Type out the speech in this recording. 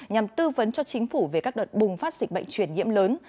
nhằm tư vấn cho chính phủ về các đợt bùng phát dịch bệnh truyền nhiễm lớn